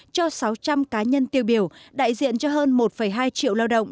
cho sáu trăm linh cá nhân tiêu biểu đại diện cho hơn một hai triệu lao động